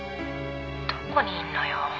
どこにいんのよ。